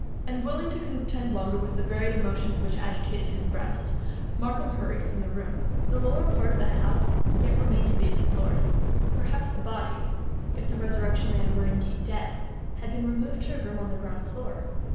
Unwilling to contend longer with the varied emotions which agitated his breast, Markham hurried from the room. The lower part of the house yet remained to be explored:—perhaps the body—if the Resurrection Man were indeed dead—had been removed to a room on the ground floor?